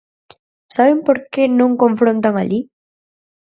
¿Saben por que non confrontan alí?